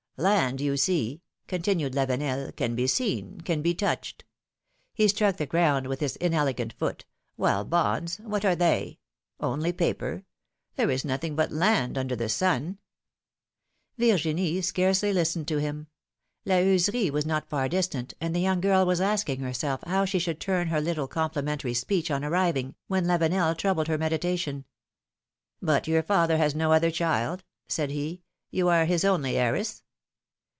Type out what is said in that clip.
Land, you see," continued Lavenel, can be seen, can be touched" — he struck the ground with his inelegant foot — while bonds, what are they ? Only paper ! There is nothing but land under the sun !" Virginie scarcely listened to him; La Heuserie was not far distant, and the young girl was asking herself how she should turn her little complimentary speech on arriving, when Lavenel troubled her meditation. ^^But your father has no other child ?" said he. ^^You are his only heiress?"